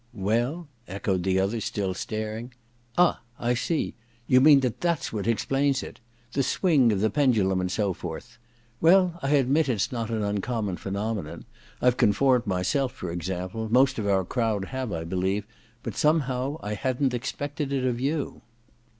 * Well ?* echoed the other, still staring. * Ah — I see ; you mean that that's what ex plains it. The swing of the pendulum, and so forth. Well, I admit it's not an uncommon phenomenon. I've conformed myself, for ex ample ; most of our crowd have, I believe ; but somehow I hadn't expected it of you.'